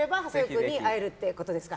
君に会えるってことですか。